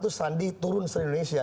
satu lima ratus sandi turun di indonesia